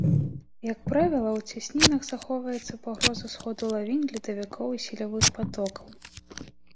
Як правіла, у цяснінах захоўваецца пагроза сходу лавін, ледавікоў і селевых патокаў.